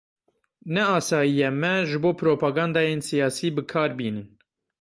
Ne asayî ye me ji bo propagandayên siyasî bi kar bînin.